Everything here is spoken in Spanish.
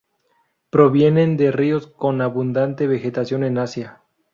Provienen de ríos con abundante vegetación en Asia.